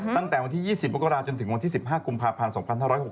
ตั้งแต่วันที่๒๐มกราจนถึงวันที่๑๕กุมภาพันธ์๒๕๖๖